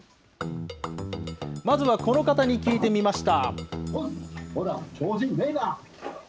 まずはこの方に聞いてみました。